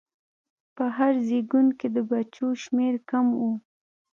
په هر زېږون کې د بچو شمېر کم و.